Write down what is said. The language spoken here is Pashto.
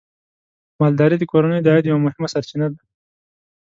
مالداري د کورنیو د عاید یوه مهمه سرچینه ده.